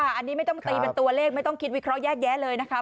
อันนี้ไม่ต้องตีเป็นตัวเลขไม่ต้องคิดวิเคราะห์แยกแยะเลยนะคะ